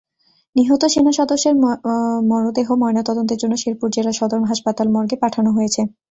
নিহত সেনাসদস্যের মরদেহ ময়নাতদন্তের জন্য শেরপুর জেলা সদর হাসপাতাল মর্গে পাঠানো হয়েছে।